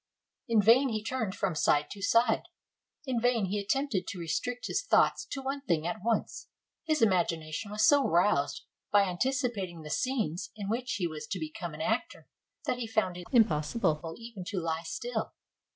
In vain he turned from side to side: in vain he attempted to restrict his thoughts to one thing at once : his imagi nation was so roused by anticipating the scenes in which he was to become an actor that he found it impossible even to lie still.